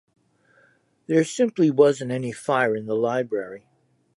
There simply wasn't any fire in the library.